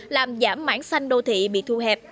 làm giảm mãn xanh đô thị bị thu hẹp